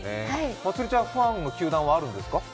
まつりちゃん、ファンの球団はあるんですか？